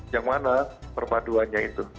yang mana perpaduannya itu